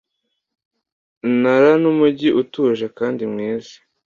Nara numujyi utuje kandi mwiza.